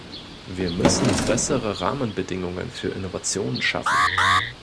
Wir müssen bessere Rahmenbedingungen für Innovationen schaffen.